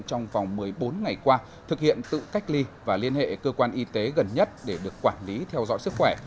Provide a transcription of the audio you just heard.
trong vòng một mươi bốn ngày qua thực hiện tự cách ly và liên hệ cơ quan y tế gần nhất để được quản lý theo dõi sức khỏe